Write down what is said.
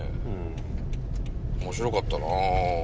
面白かったな。